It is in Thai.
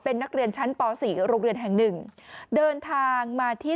เป็นนักเรียนชั้นป๔โรงเรียนแห่งหนึ่งเดินทางมาที่